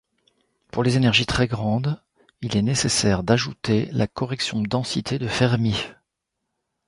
Pour les énergies très grandes, il est nécessaire d'ajouter la correction densité de Fermi.